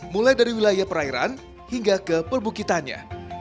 mulai dari wilayah perairan hingga ke perbukitannya